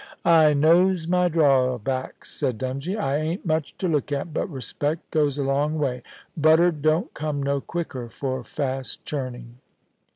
* I knows my drawbacks,' said Dungie. * I ain't much to look at ; but respect goes a long way. Butter don't come no quicker for fast churning.'